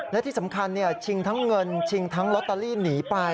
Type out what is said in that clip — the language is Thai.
และที่สำคัญชิงทั้งเงินชิงทั้งลอตเตอรี่หนีไป